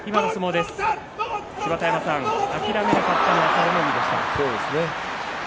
芝田山さん諦めなかったのは佐田の海でした。